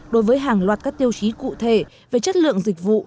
đối với hàng loạt các tiêu chí cụ thể về chất lượng dịch vụ